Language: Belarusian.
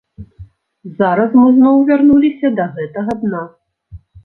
Зараз мы зноў вярнуліся да гэтага дна.